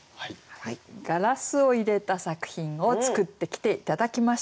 「ガラス」を入れた作品を作ってきて頂きました。